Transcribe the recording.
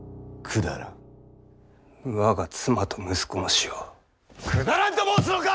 我が妻と息子の死をくだらんと申すのか！